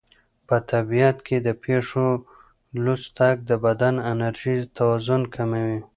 په طبیعت کې د پښو لوڅ تګ د بدن انرژي توازن کوي.